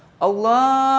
kelindung yang enak lainnya